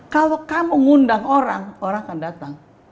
kalau kamu ngundang orang orang akan datang